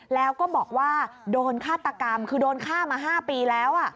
แล้วก็บอกว่าโดนฆาตกรรมคือโดนฆ่ามา๕ปีแล้ว